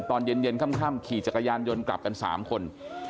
ตอนเย็นค่ำขี่จักรยานยนต์กลับกัน๓คน